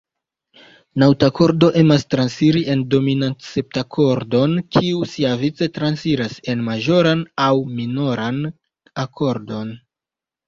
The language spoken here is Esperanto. Naŭtakordo emas transiri en dominantseptakordon, kiu siavice transiras en maĵoran aŭ minoran akordon.